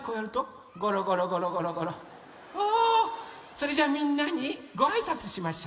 それじゃみんなにごあいさつしましょう。